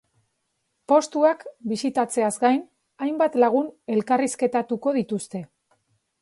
Postuak bisitatzeaz gain, hainbat lagun elkarrizketatuko dituzte.